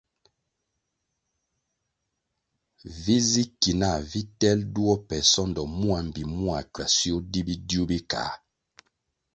Vi zi ki nah vi telʼ duo pe sondo mua mbpi mua kwasio di bidiu bi kā.